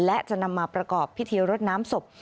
และจะนำมาประกอบพิธีรดน้ำศพ